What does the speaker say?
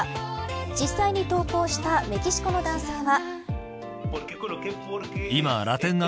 実際に投稿したメキシコの男性は。